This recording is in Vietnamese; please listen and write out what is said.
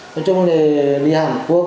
nói chung là đi hàn quốc chào mọi người khác chứ